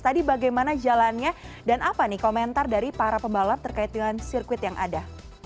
tadi bagaimana jalannya dan apa nih komentar dari para pembalap terkait dengan sirkuit yang ada